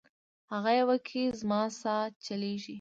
هغه یوه کي زما سا چلیږي